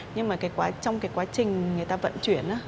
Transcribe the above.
nhưng mà trong cái quá trình người ta vận chuyển